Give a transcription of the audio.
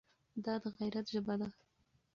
دا د غیرت ژبه ده.